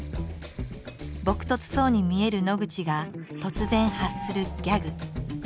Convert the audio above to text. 朴とつそうに見える野口が突然発するギャグ。